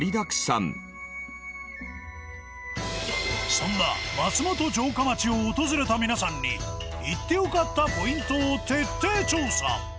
そんな松本城下町を訪れた皆さんに行って良かったポイントを徹底調査。